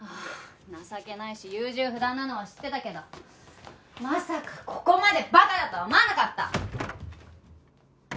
情けないし優柔不断なのは知ってたけどまさかここまでバカだとは思わなかった！